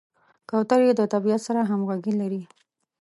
کوترې د طبیعت سره همغږي لري.